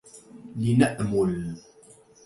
لنأمل